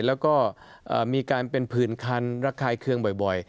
แล้วก็มีการเป็นผื่นคันระคายเครื่องบ่อย